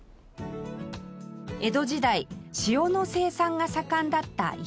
江戸時代塩の生産が盛んだった生口島